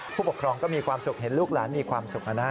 ผู้ปกครองก็มีความสุขเห็นลูกหลานมีความสุขนะ